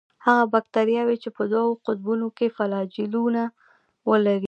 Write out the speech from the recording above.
هغه باکتریاوې چې په دوو قطبونو کې فلاجیلونه ولري.